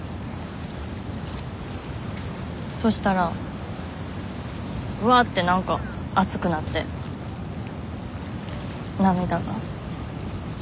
そしたらぐわって何か熱くなって涙が。